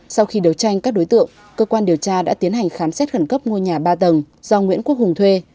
sau khi đấu tranh các đối tượng cơ quan điều tra đã tiến hành khám xét khẩn cấp ngôi nhà ba tầng do nguyễn quốc hùng thuê